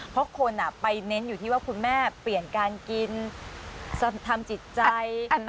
เพราะคนไปเน้นอยู่ที่ว่าคุณแม่เปลี่ยนการกินทำจิตใจ